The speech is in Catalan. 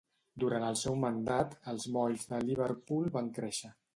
Durant el seu mandat, els molls de Liverpool van créixer.